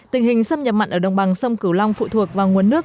tình hình xâm nhập mặn ở đồng bằng sông cửu long phụ thuộc vào nguồn nước